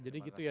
jadi gitu ya